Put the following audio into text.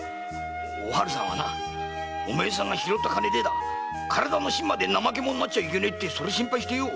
お春さんはおめえさんが拾った金で体の芯まで怠け者になっちゃいけねえって心配してよ